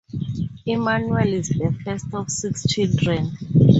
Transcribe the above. Emmanuel is the first of six children.